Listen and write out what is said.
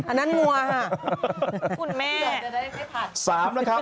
อันนั้นงัวค่ะ